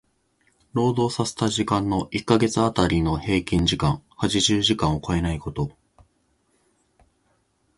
労働させた時間の一箇月当たりの平均時間八十時間を超えないこと。